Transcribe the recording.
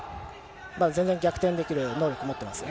全然逆転できる能力を持ってますよ。